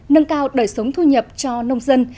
nâng cao đời sống thu nhập cho nông dân